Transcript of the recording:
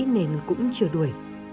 nên cũng chưa đuổi